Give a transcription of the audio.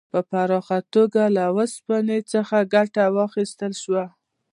په پراخه توګه له اوسپنې څخه ګټه واخیستل شوه.